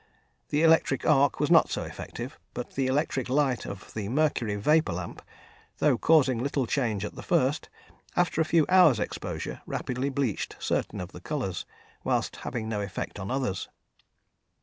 The electric arc was not so effective, but the electric light of the mercury vapour lamp, though causing little change at the first, after a few hours' exposure rapidly bleached certain of the colours, whilst having no effect on others.